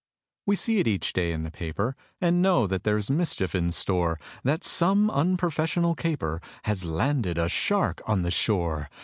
We see it each day in the paper, And know that there's mischief in store; That some unprofessional caper Has landed a shark on the shore.